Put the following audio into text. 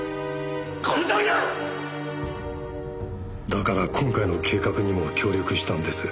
だから今回の計画にも協力したんです。